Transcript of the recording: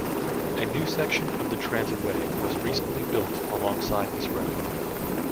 A new section of the Transitway was recently built alongside this road.